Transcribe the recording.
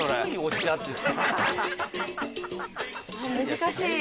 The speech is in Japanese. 難しい。